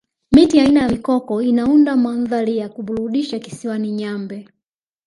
miti aina ya mikoko inaunda mandhari ya kuburudisha kisiwani nyambe